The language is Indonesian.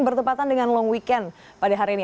bertepatan dengan long weekend pada hari ini